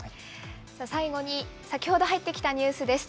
最後に先ほど入ってきたニュースです。